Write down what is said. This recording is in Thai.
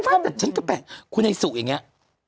แต่รู้แต่ฉันก็แบ่งคุณไอ้สุอย่างเนี่ย